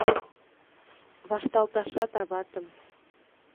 Вашталташат аватым.